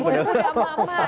sudah kuda emak emak